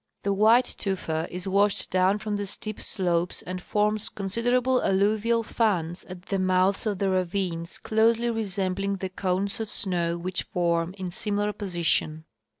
The white tufa is washed doAvn from the steep slopes and forms considerable alluvial fans at the mouths of the ravines closely resembling the cones of snow which form in similar posi tion.